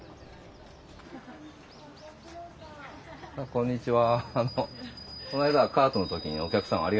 こんにちは。